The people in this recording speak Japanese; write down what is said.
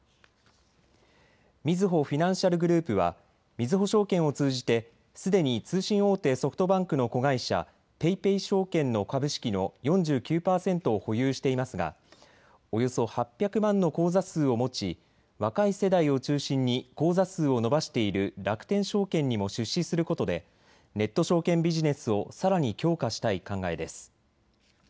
みずほフィナンシャルグループはみずほ証券を通じてすでに通信大手、ソフトバンクの子会社、ＰａｙＰａｙ証券の株式の４９％を保有していますがおよそ８００万の口座数を持ち若い世代を中心に口座数を伸ばしている楽天証券にも出資することでネット証券ビジネスをさらに強化したい考えです。